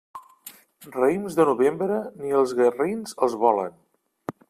Raïms de novembre, ni els garrins els volen.